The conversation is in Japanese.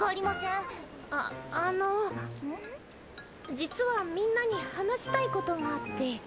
実はみんなに話したいことがあって。